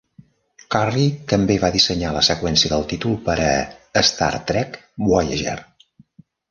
Curry també va dissenyar la seqüencia del títol per a "Star Trek Voyager".